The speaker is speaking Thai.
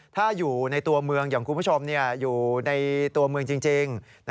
ถ้าอยู่ในตัวเมืองอย่างคุณผู้ชมอยู่ในตัวเมืองจริง